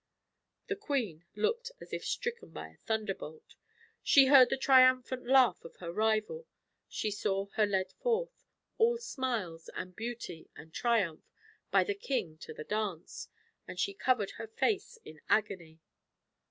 The queen looked as if stricken by a thunderbolt. She heard the triumphant laugh of her rival; she saw her led forth, all smiles and beauty and triumph, by the king to the dance, and she covered her face in agony.